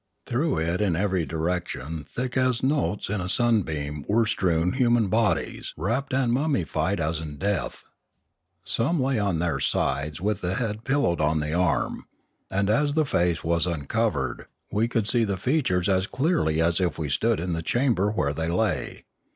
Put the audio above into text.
Through it in every direction thick as motes in a sunbeam were strewn human bodies, wrapped and mummied as in death. Some lay on their sides with the head pillowed on the arm; and as the face was uncovered, we could see the features as clearly as if we stood in the chamber where they lay.